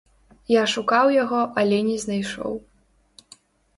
Я шукаў яго, але не знайшоў.